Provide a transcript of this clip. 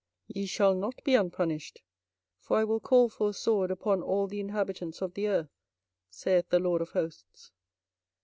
Ye shall not be unpunished: for I will call for a sword upon all the inhabitants of the earth, saith the LORD of hosts.